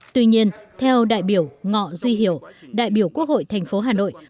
tuy nhiên theo đại biểu ngọ duy hiểu đại biểu quốc hội tp hà nội